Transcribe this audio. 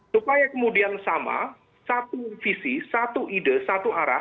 supaya kemudian sama satu visi satu ide satu arah